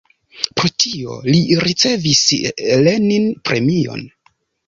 Pro tio li ricevis Lenin-premion.